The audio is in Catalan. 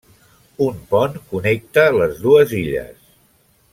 Un pont connecta les dues illes.